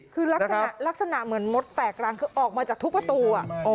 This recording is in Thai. คือลักษณะเหมือนมดแตกรังคือออกมาจากทุกประตู